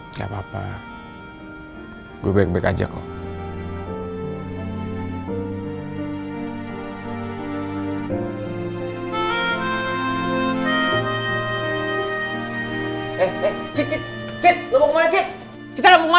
nggak papa gue baik baik aja kok